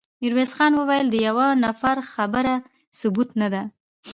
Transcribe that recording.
ميرويس خان وويل: د يوه نفر خبره ثبوت نه ده.